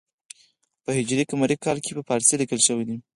په ه ق کال کې په پارسي لیکل شوی دی.